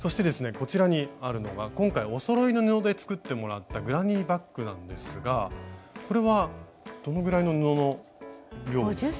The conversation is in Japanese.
こちらにあるのが今回おそろいの布で作ってもらったグラニーバッグなんですがこれはどのぐらいの布の量ですか？